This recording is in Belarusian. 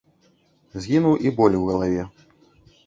Згінуў і боль у галаве.